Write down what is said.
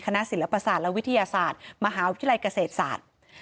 คณะศิลปศาสตร์และวิทยาศาสตร์มหาวิทยาลัยเกษตรศาสตร์